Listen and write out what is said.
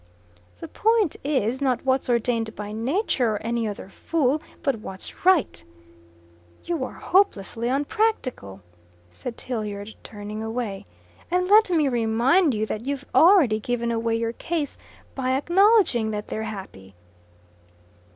"The point is, not what's ordained by nature or any other fool, but what's right." "You are hopelessly unpractical," said Tilliard, turning away. "And let me remind you that you've already given away your case by acknowledging that they're happy."